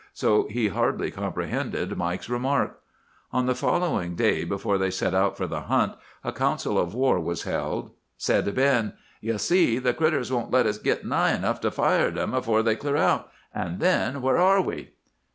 So he hardly comprehended Mike's remark. "On the following day before they set out for the hunt a council of war was held. Said Ben,— "'You see, the critters won't let us git nigh enough to fire at 'em afore they clear out; an' then where are we?